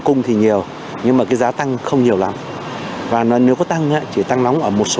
cung thì nhiều nhưng mà cái giá tăng không nhiều lắm và nếu có tăng chỉ tăng nóng ở một số